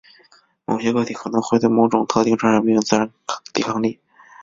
某些个体可能会对某种特定传染病有自然抵抗力。